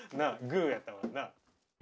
グーやったもんな。